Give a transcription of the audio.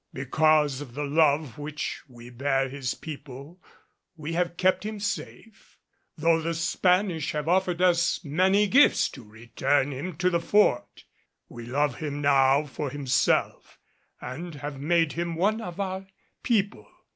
Because of the love which we bear his people we have kept him safe, though the Spanish have offered us many gifts to return him to the Fort. We love him now for himself, and have made him one of our people.